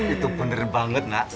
itu bener banget nak